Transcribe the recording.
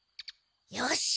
よし！